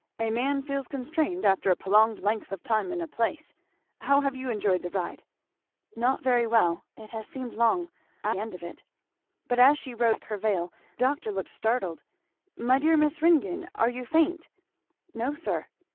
A man feels constrained after a prolonged length of time in a place. How have you enjoyed the ride?" "Not very well it has seemed long. I am glad we are at the end of it!" But as she rose and threw back her veil the doctor looked startled. "My dear Miss Ringgan! are you faint?" "No sir."